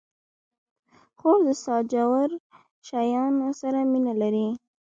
خور د سجاوړ شیانو سره مینه لري.